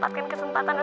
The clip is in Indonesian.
terima kasih sayaazar